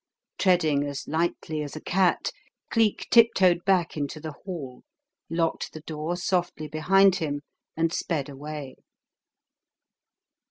Treading as lightly as a cat, Cleek tiptoed back into the hall, locked the door softly behind him, and sped away.